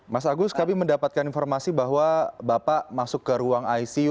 mas agus kami mendapatkan informasi bahwa bapak masuk ke ruang icu